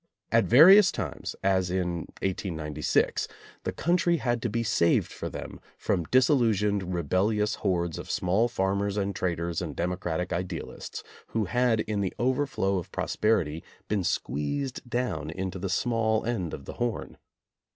At various times, as in 1896, the country had to be saved for them from disillusioned, rebellious hordes of small farmers and traders and demo cratic idealists, who had in the overflow of pros perity been squeezed down into the small end of the horn.